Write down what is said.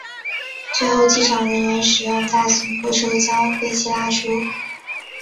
最后机场人员使用大型拖车将飞机拉出。